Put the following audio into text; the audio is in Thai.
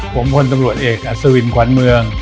ผมพลตำรวจเอกอัศวินขวัญเมือง